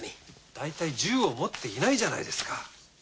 だいたい銃を持っていないじゃないですか。